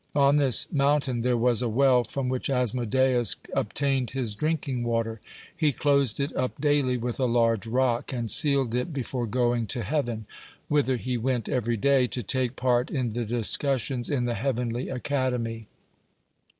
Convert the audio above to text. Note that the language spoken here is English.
On this mountain there was a well from which Asmodeus obtained his drinking water. He closed it up daily with a large rock, and sealed it before going to heaven, whither he went every day, to take part in the discussions in the heavenly academy.